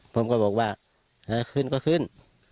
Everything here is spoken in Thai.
ผมก็บอกว่าครึ่งก็คืน